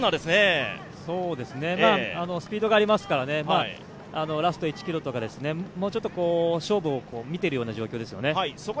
スピードがありますから、ラスト１ｋｍとかもうちょっと勝負を見ているような状況ですよね。